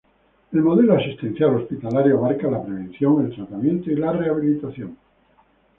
El modelo asistencial hospitalario abarca la prevención, tratamiento y rehabilitación.